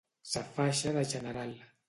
Sa faixa de general.